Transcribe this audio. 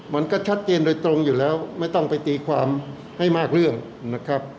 มันก็ชัดเจนโดยตรงอยู่แล้วไม่ต้องไปตีความให้มากเรื่องนะครับ